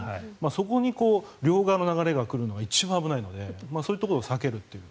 そこに両側の流れが来るのが一番危ないのでそういうところを避けるという。